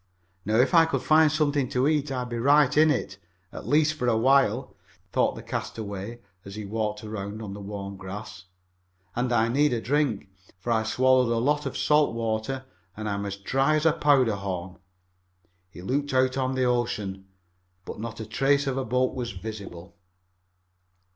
"Now if I could find something to eat I'd be right in it at least for a while," thought the castaway as he walked around on the warm grass. "And I need a drink, for I swallowed a lot of salt water and I'm as dry as a powder horn." He looked out on the ocean, but not a trace of a boat was visible.